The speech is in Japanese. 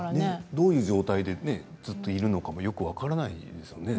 どういう状態でずっといるのかよく分からないですよね。